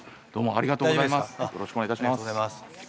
ありがとうございます。